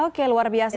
oke luar biasa